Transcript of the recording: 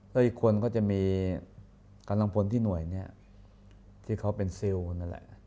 แล้วอีกคนก็จะมีกำลังพลที่หน่วยนี้ที่เขาเป็นซิลนั่นแหละ